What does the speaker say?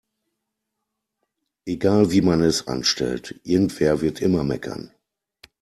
Egal wie man es anstellt, irgendwer wird immer meckern.